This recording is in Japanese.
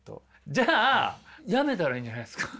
じゃあ辞めたらいいんじゃないですか。